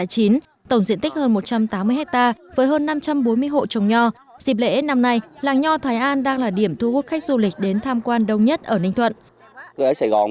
tổng diện tích hơn một trăm tám mươi hectare với hơn năm trăm bốn mươi hộ trồng nho dịp lễ năm nay làng nho thái an đang là điểm thu hút khách du lịch đến tham quan đông nhất ở ninh thuận